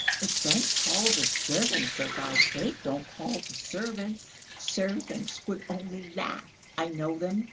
But don't call the servants, for God's sake, don't call the servants ... servants would only laugh.... I know them